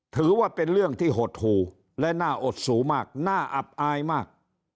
ถือว่าเป็นเรื่องที่หดหูและน่าอดสูงมากน่าอับอายมาก